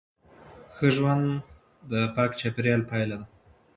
ښه ژوند د پاک چاپیریال پایله ده.